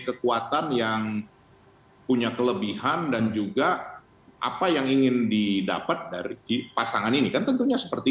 kekuatan yang punya kelebihan dan juga apa yang ingin didapat dari pasangan ini kan tentunya seperti